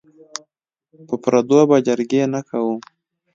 په پردو به جرګې نه کوو.